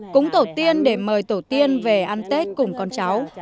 cúng tổ tiên để mời tổ tiên về ăn tết cùng con cháu